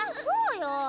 そうよ！